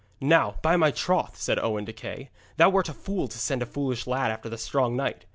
'Now, by my troth,' said Owen to Kay, 'thou wert a fool to send that foolish lad after the strong knight.